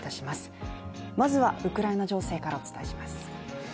まずはウクライナ情勢からお伝えします。